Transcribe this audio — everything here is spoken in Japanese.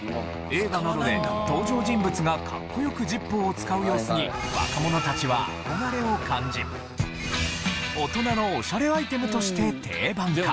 映画などで登場人物がかっこよくジッポーを使う様子に若者たちは憧れを感じ大人のおしゃれアイテムとして定番化。